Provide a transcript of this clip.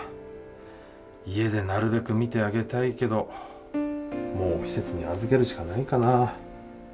家でなるべく見てあげたいけどもう施設に預けるしかないかな。